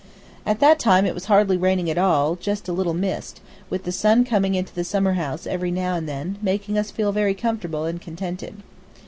At that time it was hardly raining at all, just a little mist, with the sun coming into the summer house every now and then, making us feel very comfortable and contented.